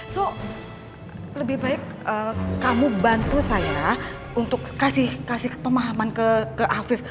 jadi lebih baik kamu bantu saya untuk kasih pemahaman ke afif